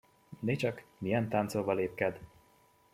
Ni csak, milyen táncolva lépked!